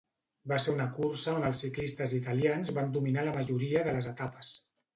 Va ser una cursa on els ciclistes italians van dominar la majoria de les etapes.